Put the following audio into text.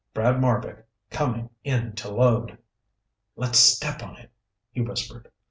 Brad Marbek, coming in to load! "Let's step on it, he whispered.